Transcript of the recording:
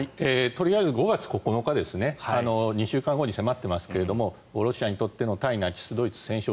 とりあえず５月９日２週間後に迫っていますがロシアにとっての対ナチス・ドイツ戦勝